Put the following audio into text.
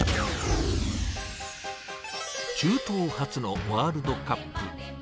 中東初のワールドカップ。